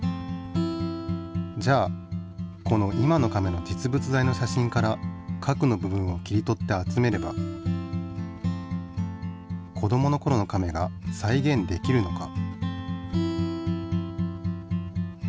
じゃあこの今のカメの実物大の写真から核の部分を切り取って集めれば子どものころのカメがさいげんできるのか？